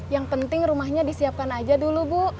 yang penting rumahnya disiapkan aja dulu bu